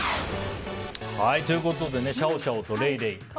ということでねシャオシャオとレイレイ。